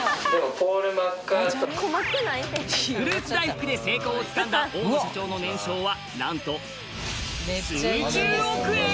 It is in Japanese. フルーツ大福で成功をつかんだ大野社長の年商はなんと数十億円！